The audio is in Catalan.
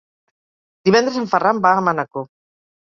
Divendres en Ferran va a Manacor.